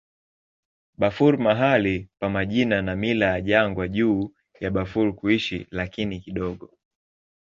Bafur mahali pa majina na mila ya jangwa juu ya Bafur kuishi, lakini kidogo.